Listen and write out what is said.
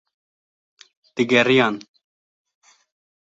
digeriyan